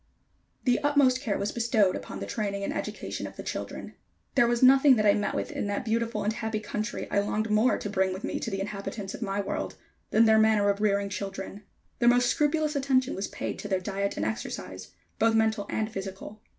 The utmost care was bestowed upon the training and education of the children. There was nothing that I met with in that beautiful and happy country I longed more to bring with me to the inhabitants of my world, than their manner of rearing children. The most scrupulous attention was paid to their diet and exercise, both mental and physical.